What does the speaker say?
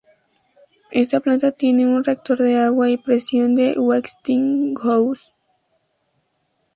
Esta planta tiene un reactor de agua a presión de Westinghouse.